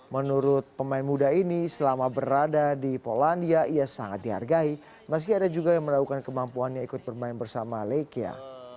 menurut pemain muda ini selama berada di polandia ia sangat dihargai meski ada juga yang meragukan kemampuannya ikut bermain bersama lechia